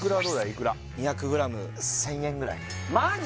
いくら２００ｇ１０００円ぐらいマジ？